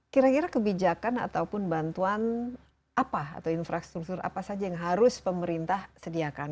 kira kira kebijakan ataupun bantuan apa atau infrastruktur apa saja yang harus pemerintah sediakan